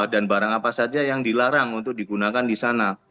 dan barang apa saja yang dilarang untuk digunakan di sana